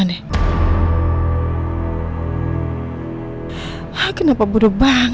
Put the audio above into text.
nih aku punya uang